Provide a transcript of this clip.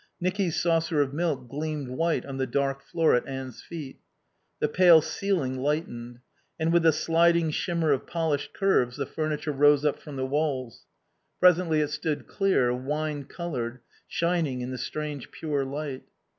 Nicky's saucer of milk gleamed white on the dark floor at Anne's feet. The pale ceiling lightened; and with a sliding shimmer of polished curves the furniture rose up from the walls. Presently it stood clear, wine coloured, shining in the strange, pure light.